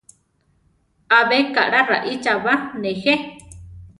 Abe kaʼla raícha ba, néje?